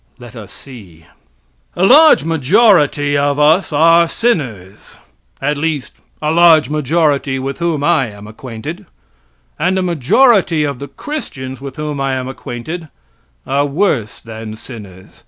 Let us see: A large majority of us are sinners at least a large majority with whom I am acquainted; and a majority of the Christians with whom I am acquainted are worse than sinners.